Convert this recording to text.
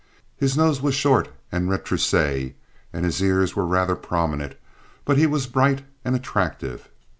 His nose was short and retrousse, and his ears were rather prominent; but he was bright and attractive.